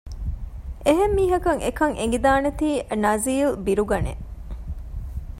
އެހެންމީހަކަށް އެކަން އެނގިދާނެތީ ނަޒީލް ބިރުގަނެ